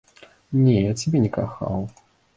Не, я цябе не кахаў.